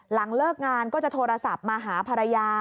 หลังเลิกงานก็จะโทรศัพท์มาหาภรรยา